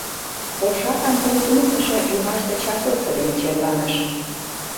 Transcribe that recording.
Орша кантон туныктышо ӱмаште чакотко дене черланыш.